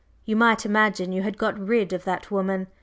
You might imagine you had got rid of that woman.